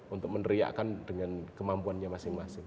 untuk meneriakan dengan kemampuannya masing masing